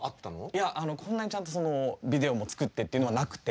いやこんなにちゃんとビデオも作ってっていうのはなくて。